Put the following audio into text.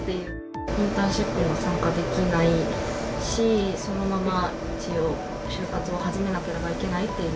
インターンシップに参加できないし、そのまま一応、就活を始めなければいけないっていう。